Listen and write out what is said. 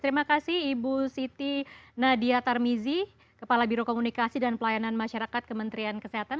terima kasih ibu siti nadia tarmizi kepala biro komunikasi dan pelayanan masyarakat kementerian kesehatan